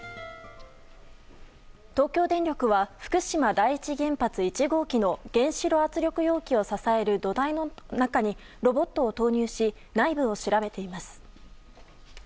東京電力は福島第一原発１号機の原子炉圧力容器を支える土台の中にロボットを投入し内部を調べています。